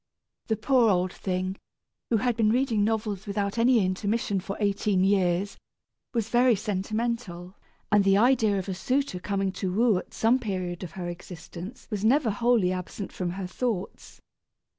The poor old thing, who had been reading novels without any intermission for eighteen years, was very sentimental, and the idea of a suitor coming to woo at some period of her existence was never wholly absent from her thoughts.